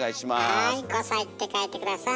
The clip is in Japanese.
はい「５さい」って書いて下さい。